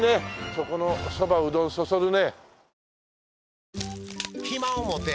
そこの「そばうどん」そそるね。